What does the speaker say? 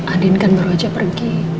adin kan baru aja pergi